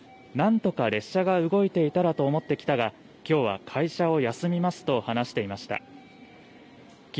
なんとか列車が動いていたらと思って来たら、きょうは会社を休みますと話していました。